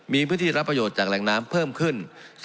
มีพื้นที่รับประโยชน์จากแหล่งน้ำเพิ่มขึ้น